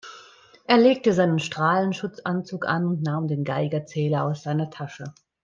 Er legte seinen Strahlenschutzanzug an und nahm den Geigerzähler aus seiner Tasche.